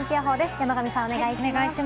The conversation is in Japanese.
山神さん、お願いします。